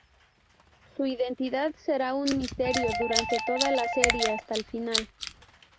Su identidad será un misterio durante toda la serie, hasta el final.